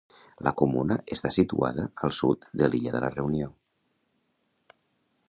La comuna està situada al sud de l'illa de la Reunió.